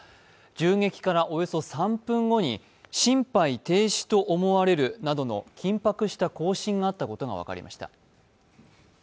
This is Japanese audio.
銃撃からおよそ３分後に心肺停止と思われるなどの緊迫した交信があったことが分かりました。